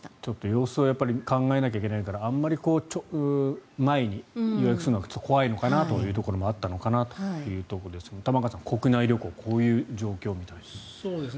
様子を考えないといけないからあまり前に予約するのは怖いのかなというところもあったのかなというところですが玉川さん、国内旅行こういう状況みたいです。